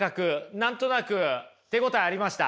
何となく手応えありました？